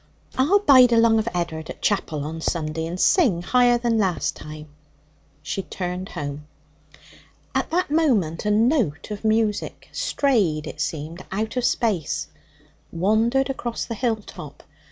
I'll bide along of Ed'ard at chapel on Sunday, and sing higher than last time.' She turned home. At that moment a note of music, strayed, it seemed, out of space, wandered across the hill top.